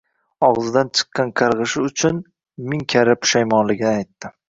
Og`zidan chiqqan qarg`ishi uchun ming karra pushaymonligini aytdi